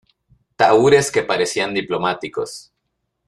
tahúres que parecían diplomáticos